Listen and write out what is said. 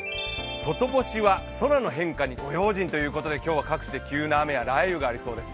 外干しは空の変化にご用心ということで、今日は各地で急な雨や雷雨がありそうです。